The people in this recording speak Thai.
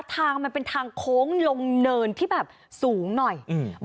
ทางมันเป็นทางโค้งลงเนินที่แบบสูงหน่อยอืม